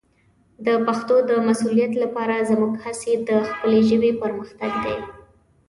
د پښتو د مسوولیت لپاره زموږ هڅې د خپلې ژبې پرمختګ دی.